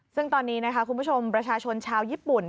ซึ่งตอนนี้นะคะคุณผู้ชมประชาชนชาวญี่ปุ่น